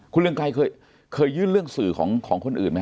คุณเรืองไกรเคยยื่นเรื่องสื่อของคนอื่นไหม